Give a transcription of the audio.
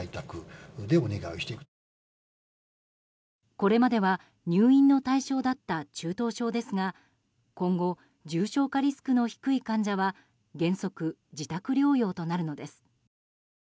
これまでは入院の対象だった中等症ですが今後、重症化リスクの低い患者は原則、自宅療養となるのです。